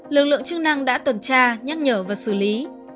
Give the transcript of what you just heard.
lực lượng chức năng đã tuần tra nhắc nhở và xử lý